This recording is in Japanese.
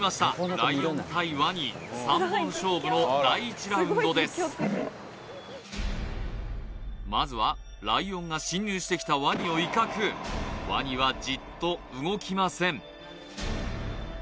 ライオン対ワニ３本勝負の第１ラウンドですまずはライオンが侵入してきたワニを威嚇ワニはじっと動きません